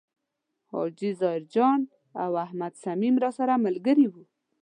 حاجي ظاهر جان او احمد صمیم راسره ملګري و.